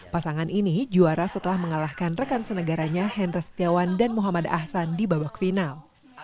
pasangan ini juara setelah mengalahkan rekan senegaranya henry setiawan dan muhammad ahsan di babak final